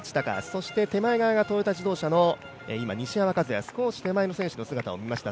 そして、手前側がトヨタ自動車の西山和弥、少し手前の選手の姿を見ました。